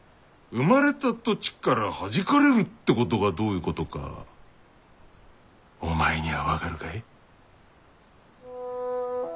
生まれた土地からはじかれるってことがどういうことかお前には分かるかい？